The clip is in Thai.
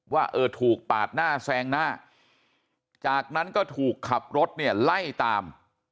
ว่าเออถูกปาดหน้าแซงหน้าจากนั้นก็ถูกขับรถเนี่ยไล่ตาม